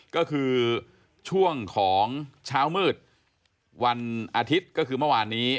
ก็คือช่วงของเช้ามืดวันอาทิตย์ก็คือเมื่อวานนี้